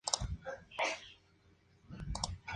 Erica sale corriendo a avisar.